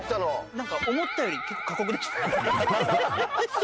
なんか思ったより結構過酷でした。